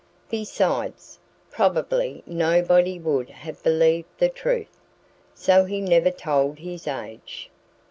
Besides, probably nobody would have believed the truth. So he never told his age.